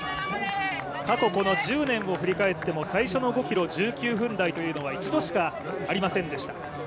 過去、１０年を振り返っても最初の５ｋｍ１９分台というのは１度しかありませんでした。